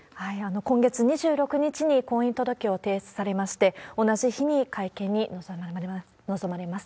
今月２６日に婚姻届を提出されまして、同じ日に会見に臨まれます。